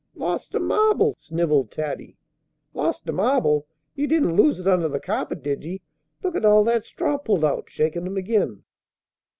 "Lost a marble!" sniveled Taddy. "Lost a marble! Ye didn't lose it under the carpet, did ye? Look at all that straw pulled out!" shaking him again.